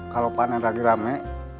kalau panen lagi rame